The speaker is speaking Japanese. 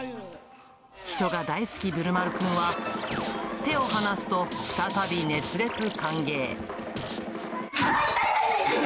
人が大好きぶるまるくんは、手を離すと再び熱烈歓迎。